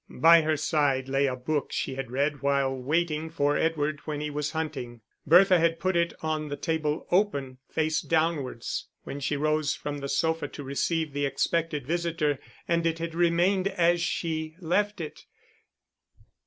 By her side lay the book she had read while waiting for Edward when he was hunting. Bertha had put it on the table open, face downwards, when she rose from the sofa to receive the expected visitor; and it had remained as she left it.